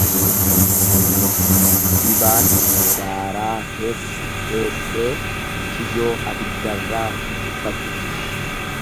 Dibaan daaraa keessa teessee kijoo abiddarraa tuffatti.